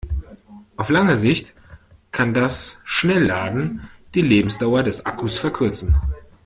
Auf lange Sicht kann das Schnellladen die Lebensdauer des Akkus verkürzen.